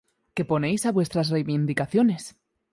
que ponéis a vuestras reivindicaciones